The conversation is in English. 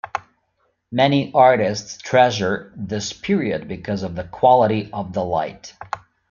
Many artists treasure this period because of the quality of the light.